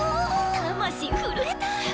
魂震えた！